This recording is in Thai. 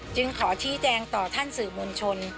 ขอชี้แจงต่อท่านสื่อมวลชน